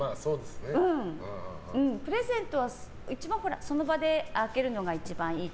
プレゼントはその場で開けるのが一番いい。